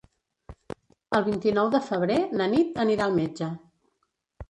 El vint-i-nou de febrer na Nit anirà al metge.